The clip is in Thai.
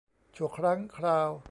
ชั่วครั้งคราว